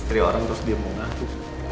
istri orang terus diam mau ngaku